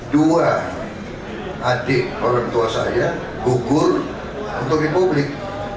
dua adik orang tua saya gugur untuk republik